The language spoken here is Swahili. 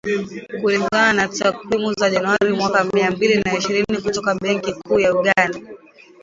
Kulingana na takwimu za Januari mwaka mia mbili na ishirini kutoka Benki Kuu ya Uganda.